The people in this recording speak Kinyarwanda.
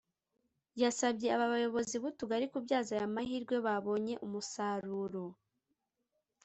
yasabye aba bayobozi b’utugari kubyaza ayamahirwe babonye umusaruro